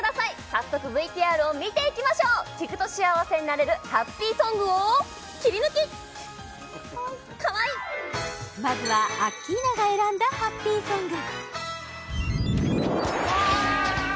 早速ＶＴＲを見ていきましょう聴くと幸せになれるハッピーソングをキリヌキまずはアッキーナが選んだハッピーソング